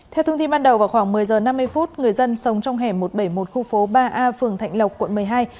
theo thông tin ban đầu vào khoảng một mươi h năm mươi người dân sống trong hẻm một trăm bảy mươi một khu phố ba a phường thạnh lộc quận một mươi hai